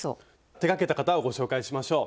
手がけた方をご紹介しましょう。